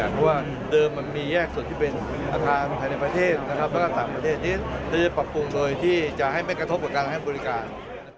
เพราะว่าเดิมมันมีแยกส่วนที่เป็นอาคารภายในประเทศแล้วก็ต่างประเทศที่จะปรับปรุงโดยที่จะให้ไม่กระทบกับการให้บริการ